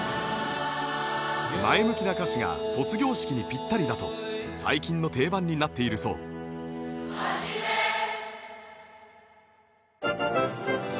前向きな歌詞が卒業式にピッタリだと最近の定番になっているそうのが思い出に残ってます。